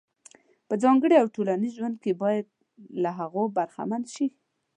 په ځانګړي او ټولنیز ژوند کې باید له هغو برخمن شي.